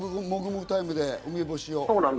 もぐもぐタイムで梅干しを。